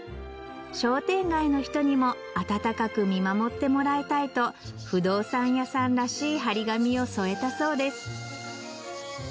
商店街の人にも温かく見守ってもらいたいと不動産屋さんらしい張り紙を添えたそうです